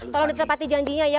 tolong ditepati janjinya ya